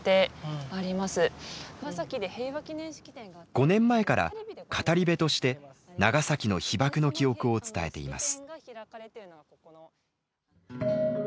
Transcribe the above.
５年前から語り部として長崎の被爆の記憶を伝えています。